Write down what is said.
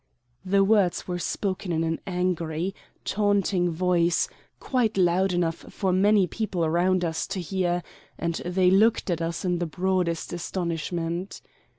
The words were spoken in an angry, taunting voice, quite loud enough for many people round us to hear, and they looked at us in the broadest astonishment.